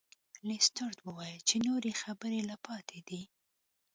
لیسټرډ وویل چې نورې خبرې لا پاتې دي.